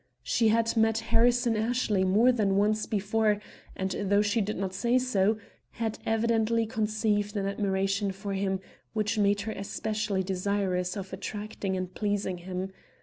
She had met Harrison Ashley more than once before, and, though she did not say so, had evidently conceived an admiration for him which made her especially desirous of attracting and pleasing him.